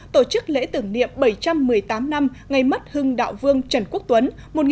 tổ chức lễ tưởng niệm bảy trăm một mươi tám năm ngày mất hưng đạo vương trần quốc tuấn một nghìn ba trăm linh hai nghìn một mươi tám